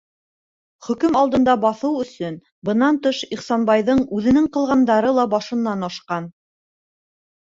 Хөкөм алдына баҫыу өсөн бынан тыш Ихсанбайҙың үҙенең ҡылғандары ла башынан ашҡан...